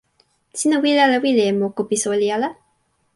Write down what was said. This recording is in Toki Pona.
sina wile ala wile e moku pi soweli ala?